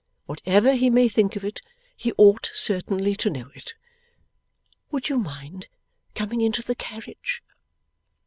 Whatever he may think of it, he ought certainly to know it." Would you mind coming into the carriage?